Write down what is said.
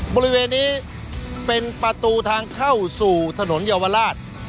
บริเวณนี้เป็นประตูทางเข้าสู่ถนนเยาวราช